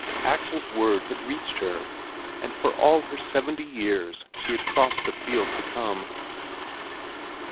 Axel's word had reached her, and for all her seventy years she had crossed the field to come.